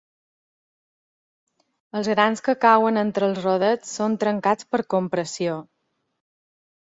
Els grans que cauen entra els rodets són trencats per compressió.